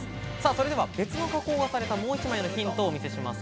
それでは別の加工をされた、もう一枚のヒントをお見せします。